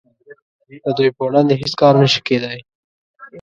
د دوی په وړاندې هیڅ کار نشي کیدای